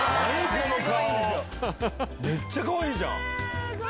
この顔めっちゃかわいいじゃん！